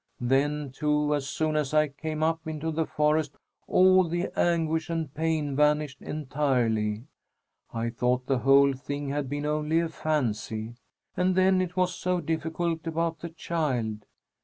Then, too, as soon as I came up into the forest all the anguish and pain vanished entirely. I thought the whole thing had been only a fancy. And then it was so difficult about the child.